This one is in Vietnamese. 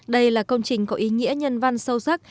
đây là công trình có ý nghĩa nhân văn sâu sắc